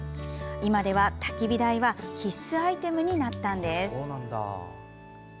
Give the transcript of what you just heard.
今では、たき火台は必須アイテムになったのです。